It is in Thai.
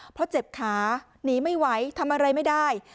เพราะเจ็บขาหนีไม่ไหวทำอะไรไม่ได้